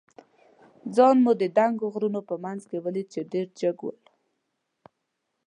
ځان مو د دنګو غرونو په منځ کې ولید، چې ډېر جګ ول.